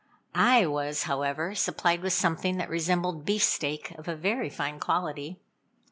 I was, however, supplied with something that resembled beefsteak of a very fine quality.